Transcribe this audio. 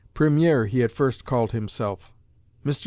"Premier" he at first called himself. Mr.